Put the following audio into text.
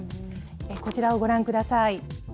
こちらをご覧ください。